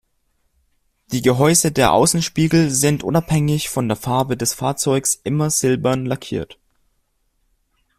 Die Gehäuse der Außenspiegel sind unabhängig von der Farbe des Fahrzeugs immer silbern lackiert.